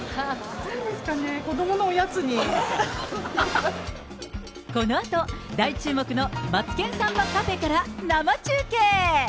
なんですかね、このあと、大注目のマツケンサンバカフェから生中継。